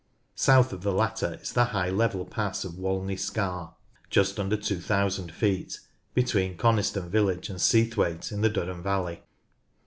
South of the latter is the high level pa^s of Walney Scar (just under 2000 feet) between Coniston village and Seathwaite in the Duddon valley.